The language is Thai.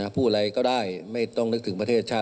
พูดอะไรก็ได้ไม่ต้องนึกถึงประเทศชาติ